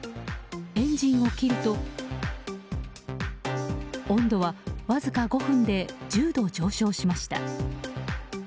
エンジンを切ると温度はわずか５分で１０度、上昇しました。